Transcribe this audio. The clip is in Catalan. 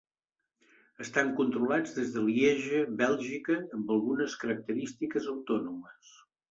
Estan controlats des de Lieja, Bèlgica, amb algunes característiques autònomes.